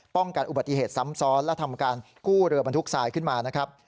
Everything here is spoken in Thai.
กันอุบัติเหตุซ้ำซ้อนและทำการกู้เรือบรรทุกทรายขึ้นมานะครับ